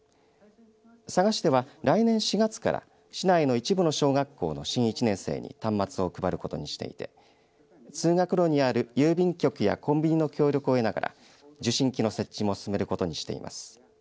佐賀市では来年４月から市内の一部の小学校の新１年生に端末を配ることにして通学路にある郵便局やコンビニの協力を得ながら受信機の設置も進めることにしています。